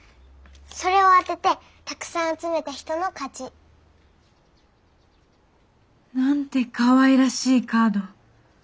それを当ててたくさん集めた人の勝ち。なんてかわいらしいカード。